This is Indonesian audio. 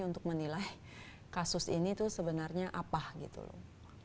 dan mulai kasus ini tuh sebenarnya apa gitu loh